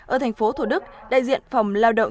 ở tp thổ đức đại diện phòng lao động